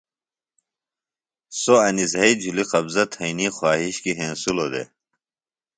سوۡ انیۡ زھئی جھلی قبضہ تھئنی خواہش کی ہینسِلوۡ دےۡ